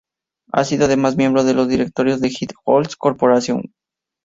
Ha sido además miembro de los directorios de Hyatt Hotels Corporation, Wm.